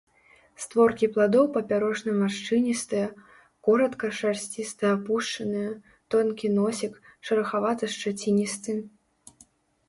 Створкі пладоў папярочна-маршчыністыя, коратка шарсціста-апушаныя, тонкі носік, шарахавата-шчаціністы.